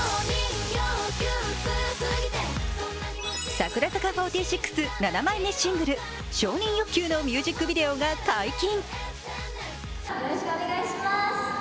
櫻坂４６、７枚目シングル「承認欲求」のミュージックビデオが解禁。